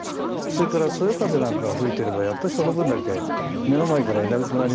それからそよ風なんかが吹いてればやっぱその分だけ目の前からいなくなりますから。